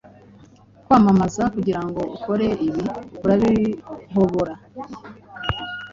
kwamamaza Kugirango ukore ibi, urabihobora